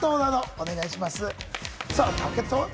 お願いします。